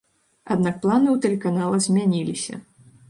Аднак планы ў тэлеканала змяніліся.